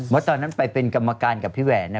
ว่าตอนนั้นไปเป็นกรรมการกับพี่แหวน